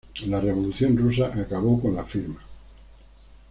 La Revolución rusa acabó con la firma.